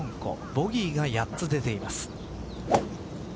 ボギーが８つ出ています。